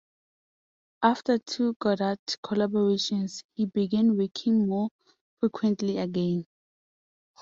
After the two Godard collaborations, he began working more frequently again.